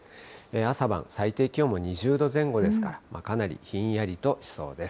朝晩、最低気温も２０度前後ですから、かなりひんやりとしそうです。